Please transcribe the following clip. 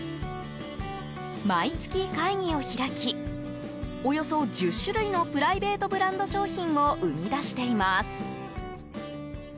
毎月会議を開きおよそ１０種類のプライベートブランド商品を生み出しています。